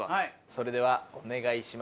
それではお願いします。